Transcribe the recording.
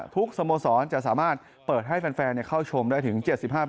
สโมสรจะสามารถเปิดให้แฟนเข้าชมได้ถึง๗๕